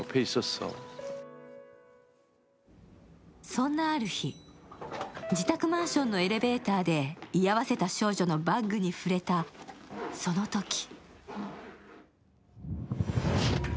そんなある日自宅マンションのエレベーターで居合わせた少女のバッグに触れたそのとき。